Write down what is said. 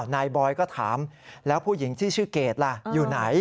นายบอยก็ถามแล้วผู้หญิงที่ชื่อเกดล่ะอยู่ไหน